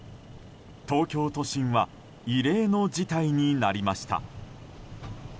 東京都心は異例の事態になりました。